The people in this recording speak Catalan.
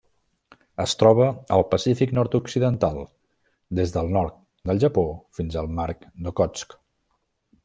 Es troba al Pacífic nord-occidental: des del nord del Japó fins al mar d'Okhotsk.